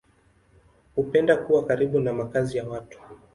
Hupenda kuwa karibu na makazi ya watu.